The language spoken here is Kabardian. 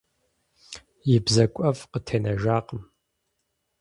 И бзэгу ӀэфӀ къытенэжакъым.